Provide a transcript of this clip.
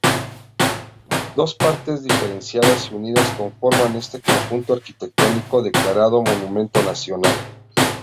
Dos partes diferenciadas y unidas conforman este conjunto arquitectónico declarado Monumento Nacional.